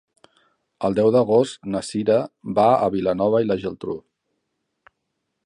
El deu d'agost na Cira va a Vilanova i la Geltrú.